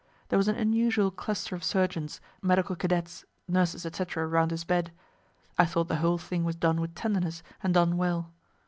There was an unusual cluster of surgeons, medical cadets, nurses, &c., around his bed I thought the whole thing was done with tenderness, and done well.